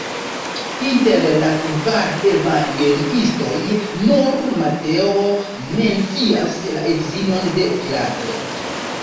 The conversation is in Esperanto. Inter la kvar evangeliistoj nur Mateo mencias la edzinon de Pilato.